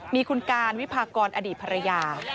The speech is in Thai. มีคุณการวิพากรอดีตภรรยา